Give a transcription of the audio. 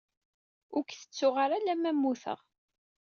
Ur k-tettuɣ ara alamma mmuteɣ.